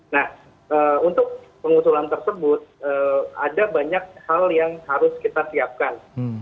nah untuk pengusulan tersebut ada banyak hal yang harus kita siapkan